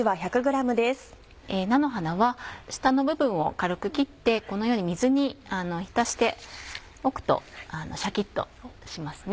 菜の花は下の部分を軽く切ってこのように水に浸しておくとシャキっとします。